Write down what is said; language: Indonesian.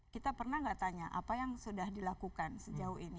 kita pernah nggak tanya apa yang sudah dilakukan sejauh ini